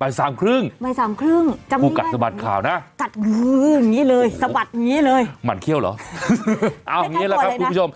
บ่าย๓ครึ่งกูกัดสะบัดข่าวนะมันเขี้ยวเหรอเอาอย่างนี้แหละครับคุณผู้ชม